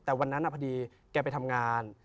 แต่วันนั้นพอดีแกไปทำงาน